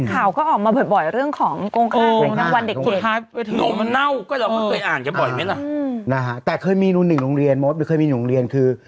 ค้าวขอออกมาบ่อยเรื่องของโกงฆ่ากับวันเด็กเด็ก